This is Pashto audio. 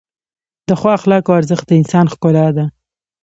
د ښو اخلاقو ارزښت د انسان ښکلا ده.